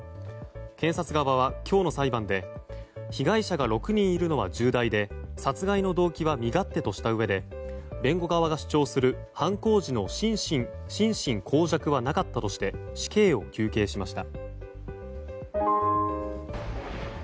検察側は今日の裁判で被害者が６人いるのは重大で殺害の動機は身勝手としたうえで弁護側が主張する犯行時の心神耗弱はなかったとして死刑を求刑しました。